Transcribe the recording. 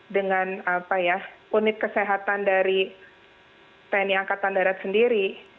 dengan unit kesehatan dari tni angkatan darat sendiri